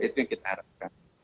itu yang kita harapkan